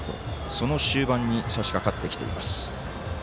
その終盤にさしかかってきています。